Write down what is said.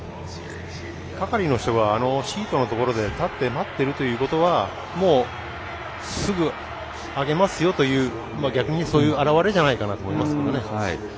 係の人がシートのところに立って待ってるということはすぐあげますよという逆に、そういう表れじゃないかと思います。